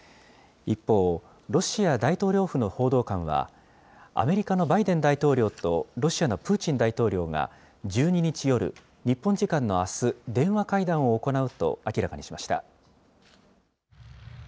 一方、ロシア大統領府の報道官は、アメリカのバイデン大統領とロシアのプーチン大統領が１２日夜、日本時間のあす、電話会談を行うと明らかにしました。